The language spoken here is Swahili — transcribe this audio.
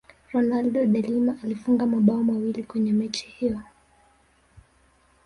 ronaldo de Lima alifunga mabao mawili kwenye mechi hiyo